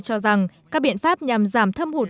cho rằng các biện pháp nhằm giảm thâm hụt